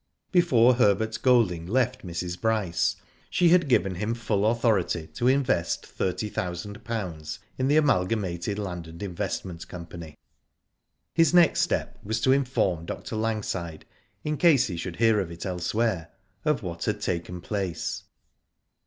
Before Herbert Golding left Mrs. Bryce, she had given him full authority to invest thirty thousand pounds in the Amalgamated Land and Investment Company. His next step was to inform Dr. Langside, in case he should hear of it elsewhere, of what ha<} taken place.